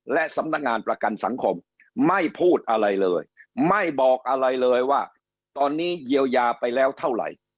และสำนักงานประกันสังคมไม่พูดอะไรเลยไม่บอกอะไรเลยว่าตอนนี้เยียวยาไปแล้วเท่าไหร่